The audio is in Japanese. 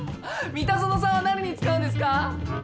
三田園さんは何に使うんですか？